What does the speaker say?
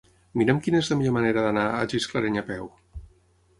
Mira'm quina és la millor manera d'anar a Gisclareny a peu.